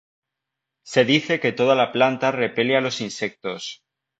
Se dice que toda la planta repele a los insectos.